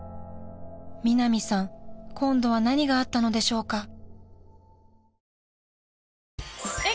［ミナミさん今度は何があったのでしょうか］